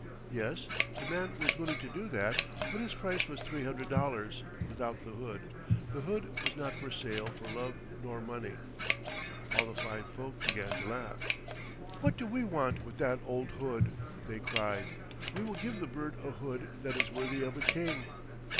Yes, the man was willing to do that, but his price was three hundred dollars without the hood; the hood was not for sale for love nor money. All the fine folk began to laugh. "What do we want with that old hood?" they cried. "We will give the bird a hood that is worthy of a king."